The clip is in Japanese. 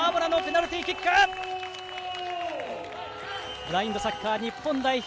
ブラインドサッカー日本代表